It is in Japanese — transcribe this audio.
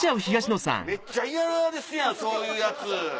めっちゃ嫌ですやんそういうやつ。